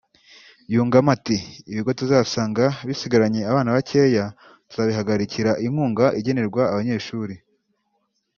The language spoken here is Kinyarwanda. yungamo agira ati “Ibigo tuzasanga bisigaranye abana bakeya tuzabihagarikira inkunga igenerwa abanyeshuri